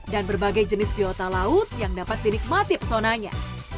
dan berbagai jenis biota laut yang dapat dinikmati pesonanya